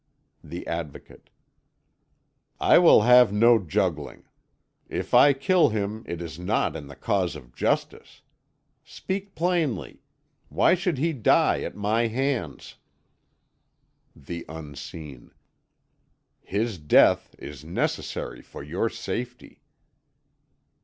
The Advocate: "I will have no juggling. If I kill him it is not in the cause of justice. Speak plainly. Why should he die at my hands?" The Unseen: "His death is necessary for your safety."